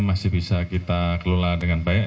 masih bisa kita kelola dengan baik